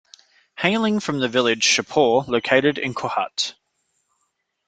Hailing from the village Shahpur located in Kohat.